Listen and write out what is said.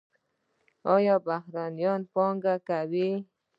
آیا بهرنیان پانګونه کوي؟